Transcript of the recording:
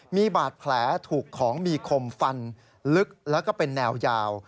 มีบาดแผลถูกของมีคมฟันลึกแล้วก็เป็นแนวยาว